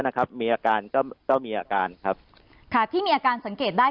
นะครับมีอาการก็ก็มีอาการครับค่ะที่มีอาการสังเกตได้